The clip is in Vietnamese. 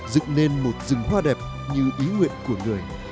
dựng nên một rừng hoa đẹp như ý nguyện của người